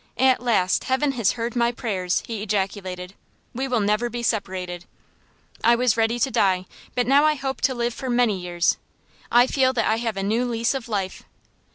"At last Heaven has heard my prayers," he ejaculated. "We will never be separated. I was ready to die, but now I hope to live for many years. I feel that I have a new lease of life."